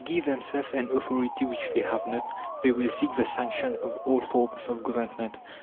To give themselves an authority which they have not they will seek the sanction of old forms of Government.